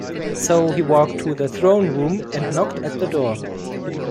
So he walked to the Throne Room and knocked at the door.